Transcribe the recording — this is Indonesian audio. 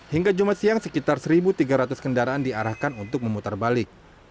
hingga jumat siang sekitar satu tiga ratus kendaraan diarahkan untuk memutar balik